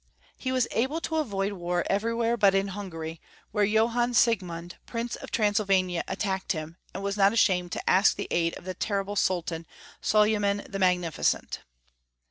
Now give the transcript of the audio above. He was able to avoid war everywhere but in Hungary, where Johann Siegmund, Prince of Transylvania, attacked him, and was not ashamed to ask the aid of the terrible Sultan, Soljonan the Magnificent.